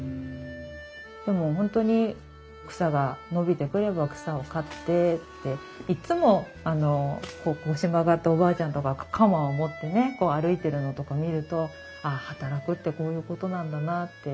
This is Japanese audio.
でも本当に草が伸びてくれば草を刈ってっていっつも腰曲がったおばあちゃんとかが鎌を持ってね歩いてるのとか見るとああ働くってこういうことなんだなって。